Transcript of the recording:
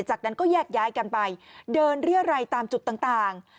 จากนั้นก็แยกย้ายกันไปเดินเรียรัยตามจุดต่าง